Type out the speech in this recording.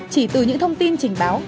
chỉ từ những thông tin trình báo